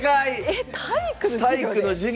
えっ体育の授業で？